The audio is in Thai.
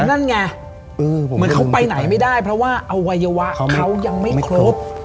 นั่นไงเหมือนเขาไปไหนไม่ได้เพราะว่าอวัยวะเขายังไม่ครบ